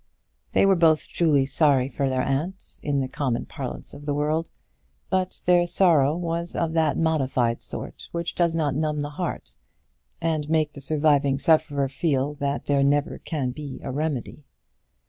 They were both truly sorry for their aunt, in the common parlance of the world; but their sorrow was of that modified sort which does not numb the heart, and make the surviving sufferer feel that there never can be a remedy.